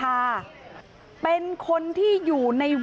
ลาออกจากหัวหน้าพรรคเพื่อไทยอย่างเดียวเนี่ย